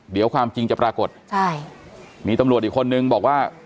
เดี๋ยวความจริงจะปรากฏใช่มีตำรวจอีกคนนึงบอกว่า